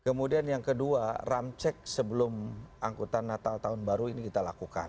kemudian yang kedua ramcek sebelum angkutan natal tahun baru ini kita lakukan